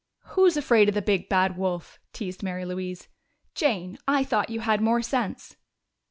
"'Who's afraid of the big, bad wolf?'" teased Mary Louise. "Jane, I thought you had more sense!"